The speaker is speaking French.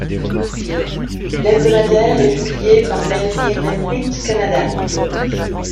L’hebdomadaire est publié par B'nai B'rith Canada.